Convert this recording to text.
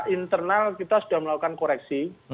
internal kita sudah melakukan koreksi